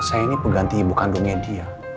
saya ini pengganti ibu kandungnya dia